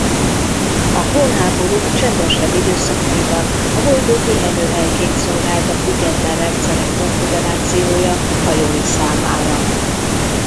A Klónháborúk csendesebb időszakaiban a bolygó pihenőhelyként szolgált a Független Rendszerek Konföderációja hajói számára.